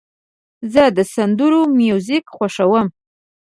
زه د سندرو میوزیک خوښوم.